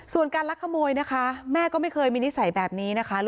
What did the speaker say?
ส่วนการลักขโมยนะคะแม่ก็ไม่เคยมีนิสัยแบบนี้นะคะ